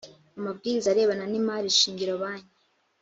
amabwiriza arebana n imari shingiro banki